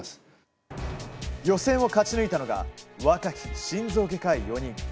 予選を勝ち抜いたのが若き心臓外科医４人。